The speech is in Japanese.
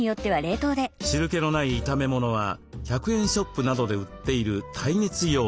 汁けのない炒め物は１００円ショップなどで売っている耐熱容器へ。